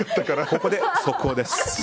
ここで速報です。